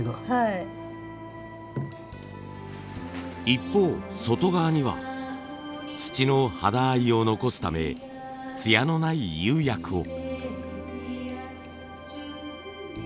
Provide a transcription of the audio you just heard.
一方外側には土の肌合いを残すため艶のない釉薬を。